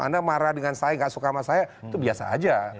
anda marah dengan saya gak suka sama saya itu biasa aja